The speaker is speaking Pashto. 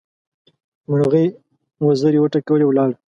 مرغۍ وزرې وټکولې؛ ولاړه.